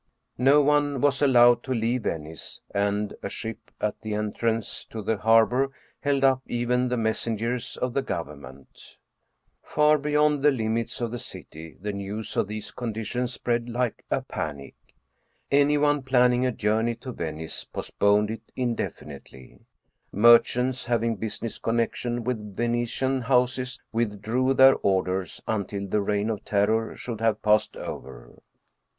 No one was allowed to leave Venice, and a ship at the entrance to the harbor held up even the messengers of the government. Far beyond the limits of German Mystery Stories the city the news of these conditions spread like a panic. Anyone planning a journey to Venice postponed it indefi nitely. Merchants having business connection with Ve netian houses withdrew their orders until the Reign of Terror should have passed over.